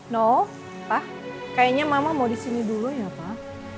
no pak kayaknya mama mau disini dulu ya pak